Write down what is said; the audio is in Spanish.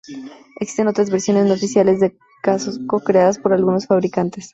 Existen otras versiones no oficiales de casco creadas por algunos fabricantes.